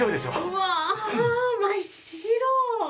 うわ真っ白！